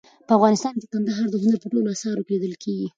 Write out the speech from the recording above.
په افغانستان کې کندهار د هنر په ټولو اثارو کې لیدل کېږي.